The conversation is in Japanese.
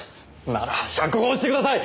なら釈放してください！